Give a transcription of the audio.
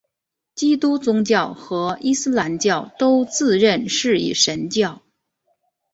基督宗教和伊斯兰教都自认是一神教。